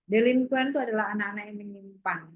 delin puen itu adalah anak anak yang mengimpang